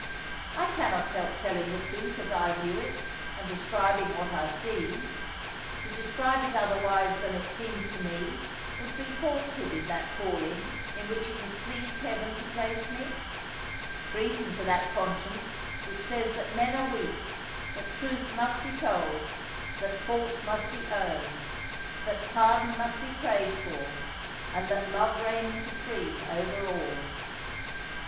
I can not help telling the truth as I view it, and de scribing what I see. To describe it otherwise than it seems to me would be falsehood in that calling in which it has pleased heaven to place me; treason to that conscience which says that men are weak, that truth must be told, that fault must be owned, that pardon must be prayed for, and that love reigns supreme over all.